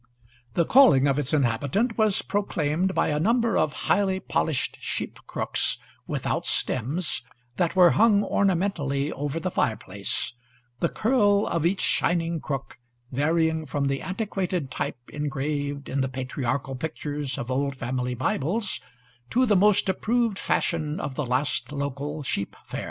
The calling of its inhabitant was proclaimed by a number of highly polished sheep crooks without stems, that were hung ornamentally over the fireplace, the curl of each shining crook varying, from the antiquated type engraved in the patriarchal pictures of old family Bibles to the most approved fashion of the last local sheep fair.